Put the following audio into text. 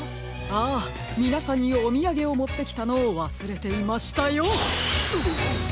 ああみなさんにおみやげをもってきたのをわすれていましたよ！